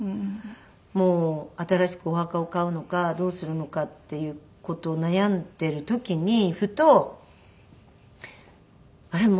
もう新しくお墓を買うのかどうするのかっていう事を悩んでいる時にふとあれ？